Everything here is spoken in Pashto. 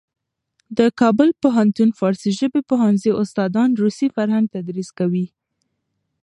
د کابل پوهنتون فارسي ژبې پوهنځي استادان روسي فرهنګ تدریس کوي.